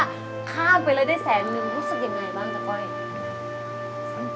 บอกตระโกยอีกประมาณหนึ่ง